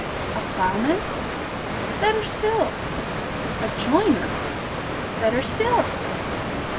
"A plowman?" "Better still!" "A joiner?" "Better still!"